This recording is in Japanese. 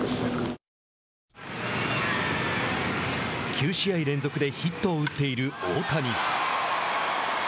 ９試合連続でヒットを打っている大谷。